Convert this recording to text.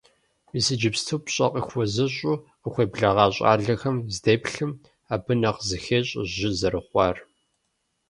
Мис иджыпсту, пщӀэ къыхуэзыщӀу къыхуеблэгъа щӀалэхэм здеплъым, абы нэхъ зыхещӀэ жьы зэрыхъуар.